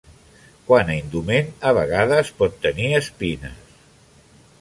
Quant a indument a vegades pot tenir espines.